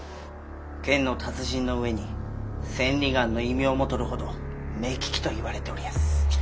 剣の達人のうえに千里眼の異名も取るほど目利きといわれておりやす。